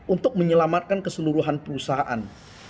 untuk menyelamatkan keseluruhan perusahaan